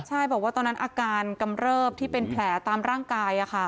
ใช่บอกว่าตอนนั้นอาการกำเริบที่เป็นแผลตามร่างกาย